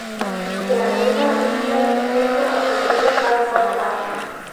Se agrega un día bisiesto a febrero cada cuatro años.